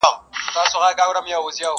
o د پاچا د زوره مو وساتې، او د ملا د توره٫